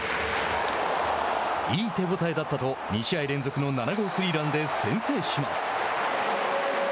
「いい手応えだった」と２試合連続の７号スリーランで先制します。